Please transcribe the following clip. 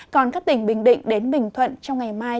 còn các tỉnh bình định đến bình thuận trong ngày mai